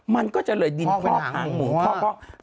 มันก็จะเลยดินพอกหางหมู่พอก